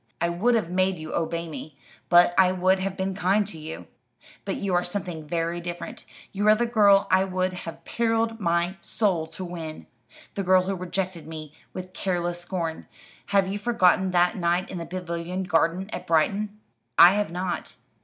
I would have made you obey me; but I would have been kind to you. But you are something very different. You are the girl I would have perilled my soul to win the girl who rejected me with careless scorn. Have you forgotten that night in the Pavilion Garden at Brighton? I have not.